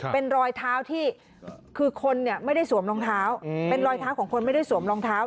เป็นรอยเท้าที่คือคนเนี่ยไม่ได้สวมรองเท้าเป็นรอยเท้าของคนไม่ได้สวมรองเท้า